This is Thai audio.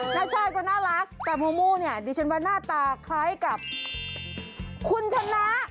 หน้าชาติก็น่ารักกามูมูเนี่ยดิฉันว่าหน้าตาคล้ายกับคุณชนะ